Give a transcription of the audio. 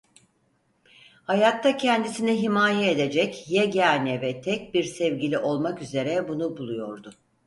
Hayatta kendisini himaye edecek yegane ve tek bir sevgili olmak üzere bunu buluyordu.